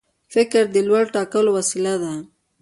فکر د لور ټاکلو وسیله ده.